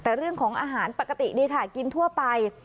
แต่เรื่องของอาหารปกติดีค่ะกินทั่วไป